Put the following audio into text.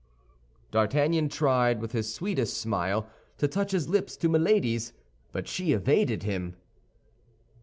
D'Artagnan tried with his sweetest smile to touch his lips to Milady's, but she evaded him.